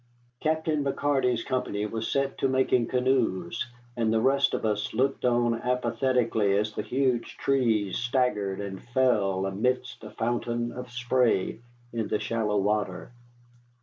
Captain McCarty's company was set to making canoes, and the rest of us looked on apathetically as the huge trees staggered and fell amidst a fountain of spray in the shallow water.